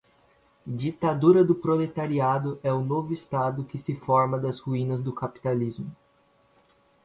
Ditadura do proletariado é o novo estado que se forma das ruínas do capitalismo